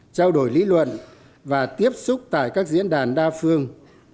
trao đổi lý luận và tiếp xúc tại các diễn đàn đa phương